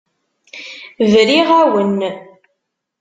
Briɣ-awen.